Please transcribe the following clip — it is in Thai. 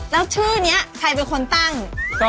แล้วชื่อนี้ใครเป็นคนตั้ง